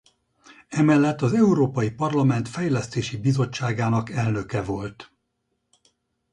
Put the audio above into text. Emellett az Európai Parlament Fejlesztési Bizottságának elnöke volt.